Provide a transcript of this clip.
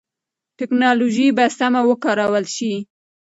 ټکنالوژي به سمه وکارول شي.